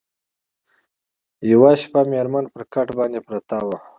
یوه شپه مېرمن پر کټ باندي پرته وه